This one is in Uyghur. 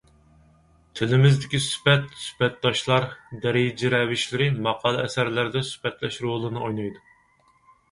تىلىمىزدىكى سۈپەت، سۈپەتداشلار، دەرىجە رەۋىشلىرى ماقالە-ئەسەرلەردە سۈپەتلەش رولىنى ئوينايدۇ.